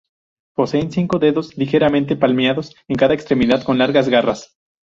Poseen cinco dedos ligeramente palmeados en cada extremidad con largas garras.